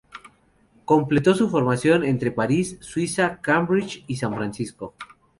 Completó su formación entre París, Suiza, Cambridge y San Francisco.